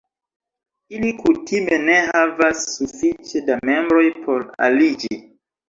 Ili kutime ne havas sufiĉe da membroj por aliĝi.